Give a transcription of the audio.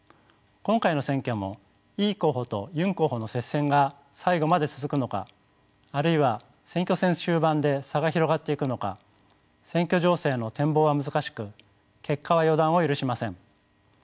今回の選挙もイ候補とユン候補の接戦が最後まで続くのかあるいは選挙戦終盤で差が広がっていくのか選挙情勢の展望は難しく結果は予断を許しません。